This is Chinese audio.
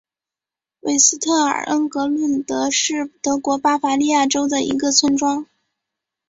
韦斯特尔恩格伦德是德国巴伐利亚州的一个村庄。